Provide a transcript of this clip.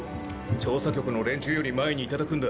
調査局の連中より前に頂くんだ。